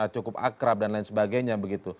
cukup akrab dan lain sebagainya begitu